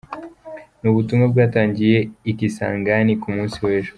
Ni ubutumwa bwatangiwe i Kisangani ku munsi w’ejo.